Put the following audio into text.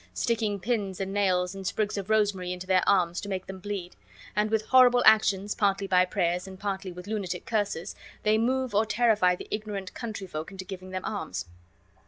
sticking pins and nails and sprigs of rosemary into their arms to make them bleed; and with horrible actions, partly by prayers, and partly with lunatic curses, they move or terrify the ignorant country folk into giving them alms.